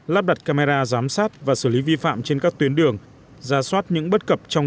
lắp đặt camera giám sát và xử lý vi phạm trên các tuyến đường ra soát những bất cập trong